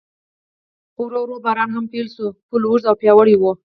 ورو ورو باران هم پیل شو، پل اوږد او پیاوړی و.